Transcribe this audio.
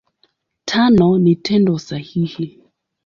Tano ni Tendo sahihi.